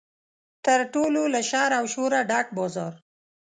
تر ټولو له شر او شوره ډک بازار.